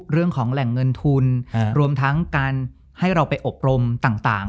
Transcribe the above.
เรื่องของแหล่งเงินทุนรวมทั้งการให้เราไปอบรมต่าง